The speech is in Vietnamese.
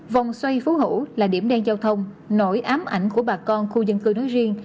vòng xoay phú hữu là điểm đen giao thông nổi ám ảnh của bà con khu dân cư nói riêng